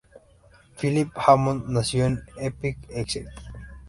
Philip Hammond nació en Epping, Essex.